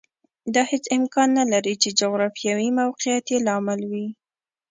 دا هېڅ امکان نه لري چې جغرافیوي موقعیت یې لامل وي